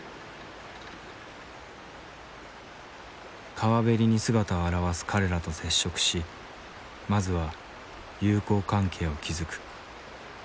川べりに姿を現す彼らと接触しまずは友好関係を築く。